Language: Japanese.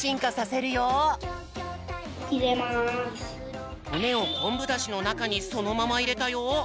さらにほねをこんぶダシのなかにそのままいれたよ。